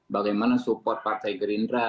bagaimana support partai gerindra